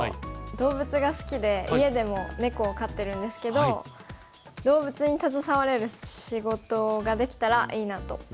動物が好きで家でも猫を飼ってるんですけど動物に携われる仕事ができたらいいなと。